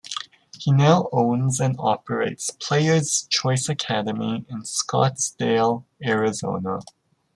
He now owns and operates Player's Choice Academy in Scottsdale, Arizona.